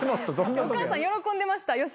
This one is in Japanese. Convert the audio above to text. お母さん喜んでました。